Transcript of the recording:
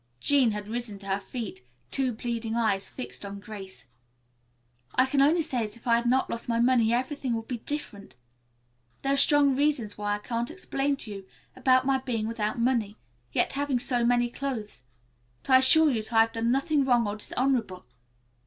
Jean had risen to her feet, two pleading eyes fixed on Grace. "I can only say that if I had not lost my money everything would be different. There are strong reasons why I can't explain to you about my being without money, yet having so many clothes, but I assure you that I have done nothing wrong or dishonorable.